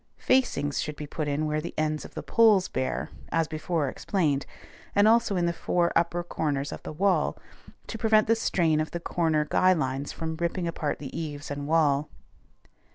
Facings should be put in where the ends of the poles bear, as before explained; and also in the four upper corners of the wall, to prevent the strain of the corner guy lines from ripping apart the eaves and wall.